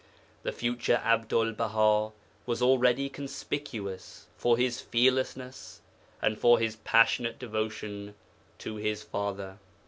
The future Abdul Baha was already conspicuous for his fearlessness and for his passionate devotion to his father.